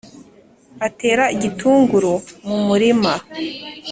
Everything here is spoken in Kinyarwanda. atera igitunguru mumurima.